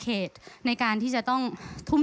การทำงานที่นู่น